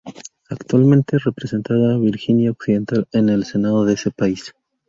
Actualmente representada a Virginia Occidental en el Senado de ese país.